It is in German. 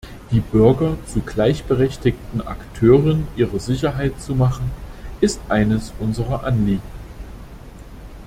Die Bürger zu gleichberechtigten Akteuren ihrer Sicherheit zu machen, ist eines unserer Anliegen.